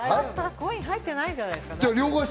コイン入ってないんじゃないですか？